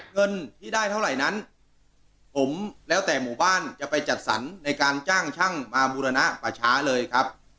เงินที่ได้เท่าไหร่นั้นผมแล้วแต่หมู่บ้านจะไปจัดสรรในการจ้างช่างมาบูรณะป่าช้าเลยครับ